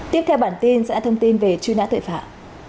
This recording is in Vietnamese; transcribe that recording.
tiếp theo bản tin sẽ là thông tin về truy nã tội phạm